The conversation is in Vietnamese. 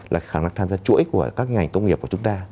là khả năng tham gia chuỗi của các ngành công nghiệp của chúng ta